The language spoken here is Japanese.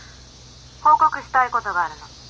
☎報告したい事があるの。